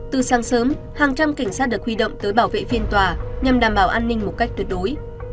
từ sáng sớm hàng trăm cảnh sát được huy động tới bảo vệ phiên tòa nhằm đảm bảo an ninh một cách tuyệt đối